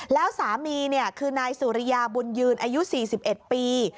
แล้วสามีคือนายสุริยาบุญยืนอายุ๔๑ปี